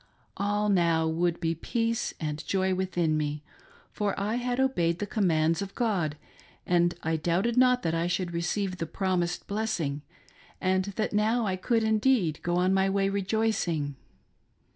All now would ise peace and joy within me, for I had obeyed the commands of God, and I doubted not that I should receive the promised blessing, and that now I could indeed go on my way rejoicing.